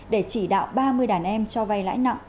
để chỉ đạo ba mươi đàn em cho vay lãi nặng